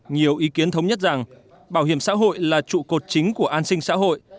nhiều ý kiến thống nhất rằng bảo hiểm xã hội là trụ cột chính của an sinh xã hội